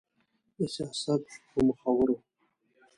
د سياست په مخورو